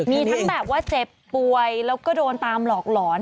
มีทั้งแบบว่าเจ็บป่วยแล้วก็โดนตามหลอกหลอน